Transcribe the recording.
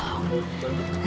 nanti biung beri pelajaran